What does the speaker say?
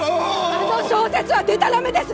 あの小説はデタラメです！